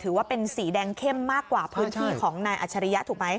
ถือว่าเป็นสีแดงเข้มมากกว่าพื้นที่ของนายอัจฉริยะถูกไหม